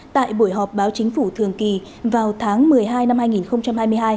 tại buổi họp báo chính phủ thường kỳ vào tháng một mươi hai năm hai nghìn hai mươi hai